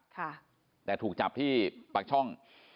ค่ะแต่ถูกจับที่ปากช่อง